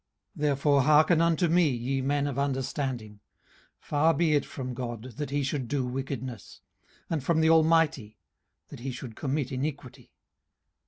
18:034:010 Therefore hearken unto me ye men of understanding: far be it from God, that he should do wickedness; and from the Almighty, that he should commit iniquity.